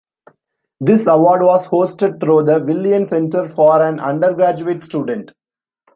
This award was hosted through the Willan Centre for an undergraduate student.